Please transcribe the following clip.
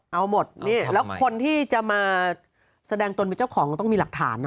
เอาหมดนี่แล้วคนที่จะมาแสดงตนเป็นเจ้าของต้องมีหลักฐานนะ